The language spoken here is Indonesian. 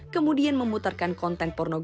kemudian memutarkan konten ke media sosial